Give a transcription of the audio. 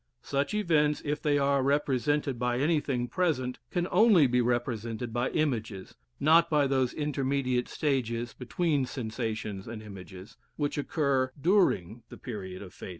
Such events, if they are represented by anything present, can only be represented by images, not by those intermediate stages, between sensations and images, which occur during the period of fading.